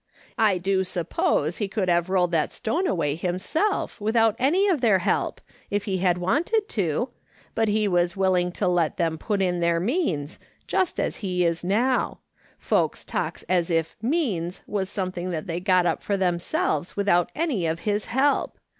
I do suppose he could have rolled that stone away himself, without any of their help, if he had wanted to, but he was willing to let them put in their means, just as he is now ; folks talks as if ' means' was something that they got up for themselves without any of his help